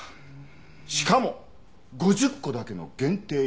しかも５０個だけの限定品。